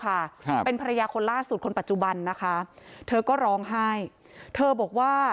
ครับเป็นภรรยาคนล่าสุดคนปัจจุบันนะคะเธอก็ร้องไห้เธอบอกว่า